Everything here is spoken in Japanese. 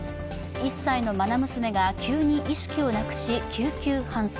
１歳のまな娘が急に意識をなくし救急搬送。